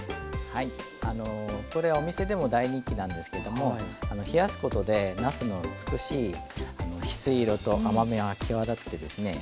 これお店でも大人気なんですけども冷やすことでなすの美しいひすい色と甘みが際立ってですね